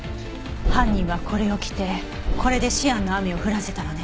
犯人はこれを着てこれでシアンの雨を降らせたのね。